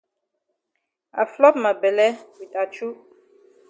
I flop ma bele wit achu.